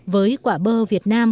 với quả bơ việt nam